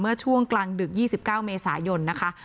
ช่วงกลางดึก๒๙เมษายนนะคะ